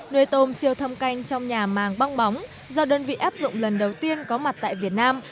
nuôi tôm siêu thâm canh trong nhà màng bong bóng do đơn vị áp dụng lần đầu tiên có mặt tại việt nam